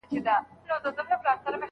هغه له سپینو بلوري حورو تش تور قبرونه